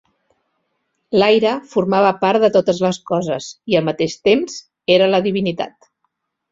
L'aire formava part de totes les coses, i al mateix temps era la divinitat.